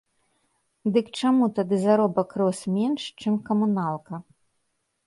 Дык чаму тады заробак рос менш, чым камуналка?